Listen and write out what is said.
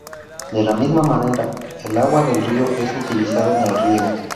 De la misma manera, el agua del río es utilizada en el riego.